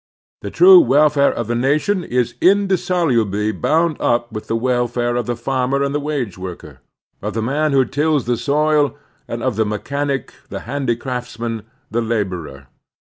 The true welfare of the nation is indis solubly botmd up with the welfare of the farmer and the wage worker — of the man who tills the soil, and of the mechanic, the handicraftsman, the laborer.